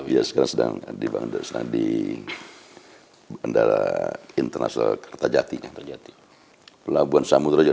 iya sekarang sedang dibangun di bandara internasional kertajati pelabuhan samudera juga